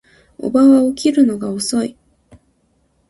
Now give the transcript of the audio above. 叔母は起きるのが遅い